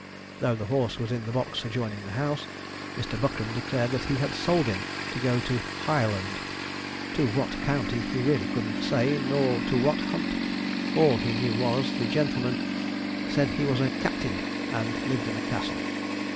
Though the horse was in the box adjoining the house, Mr. Buckram declared he had sold him to go to 'Hireland'; to what county he really couldn't say, nor to what hunt; all he knew was, the gentleman said he was a 'captin,' and lived in a castle.